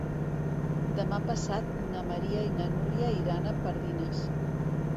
Demà passat na Maria i na Núria iran a Pardines.